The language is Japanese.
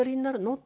って。